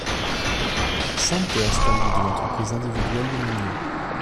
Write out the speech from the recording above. Sante Astaldi de l'entreprise individuelle du même nom.